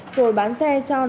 rồi bán xe trong đường dây